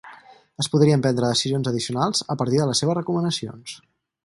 Es podrien prendre decisions addicionals a partir de les seves recomanacions.